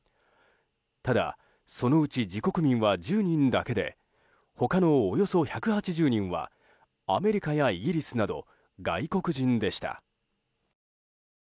ただ、そのうち自国民は１０人だけで他のおよそ１８０人はアメリカやイギリスなど外国人でした。